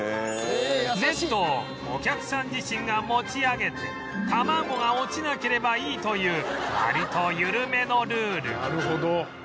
ネットをお客さん自身が持ち上げて卵が落ちなければいいという割とゆるめのルール